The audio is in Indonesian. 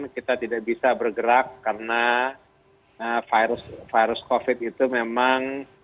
kita tidak bisa bergerak karena virus covid itu memang